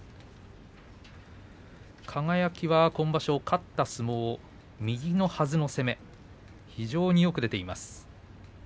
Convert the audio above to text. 輝は今場所、勝った相撲右のはずの攻め非常によく出ています。